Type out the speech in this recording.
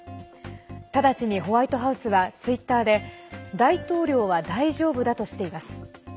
ただちにホワイトハウスはツイッターで大統領は大丈夫だとしています。